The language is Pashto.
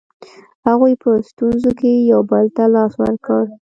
هغوی په ستونزو کې یو بل ته لاس ورکړ.